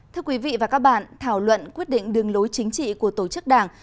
thưa quý vị và các bạn thảo luận quyết định đường lối chính trị của tổ chức đảng